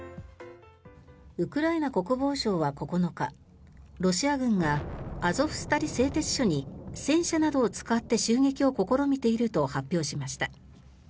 ウクライナ国防省は９日ロシア軍がアゾフスタリ製鉄所に戦車などを使って襲撃を試みていると発表しました。